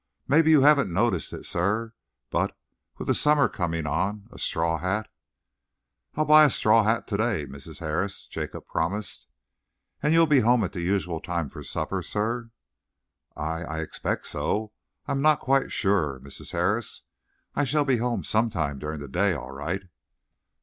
Maybe you haven't noticed it, sir, but, with the summer coming on, a straw hat " "I'll buy a straw hat to day, Mrs. Harris," Jacob promised. "And you'll be home at the usual time for your supper, sir?" "I I expect so. I am not quite sure, Mrs. Harris. I shall be home sometime during the day, all right."